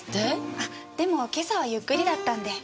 あっでも今朝はゆっくりだったんで。